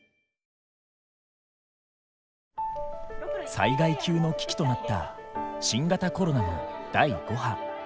災害級の危機となった新型コロナの第５波。